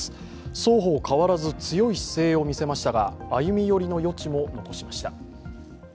双方変わらず強い姿勢を見せましたが歩み寄りの余地も残しました。